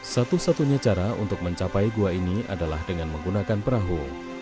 satu satunya cara untuk mencapai gua ini adalah dengan menggunakan perahu